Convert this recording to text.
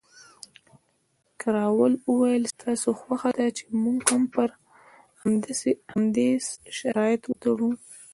کراول وویل، ستاسې خوښه ده چې موږ هم پر همدې اس شرط وتړو؟